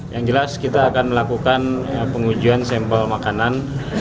yang jelas kita akan melakukan pengujian sampel makanan